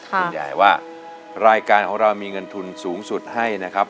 คุณยายว่ารายการของเรามีเงินทุนสูงสุดให้นะครับ